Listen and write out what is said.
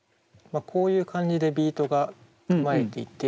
こういう感じでビートが組まれていて。